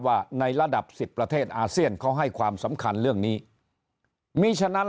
ว่าในระดับ๑๐ประเทศอาเซียนเขาให้ความสำคัญเรื่องนี้มีฉะนั้น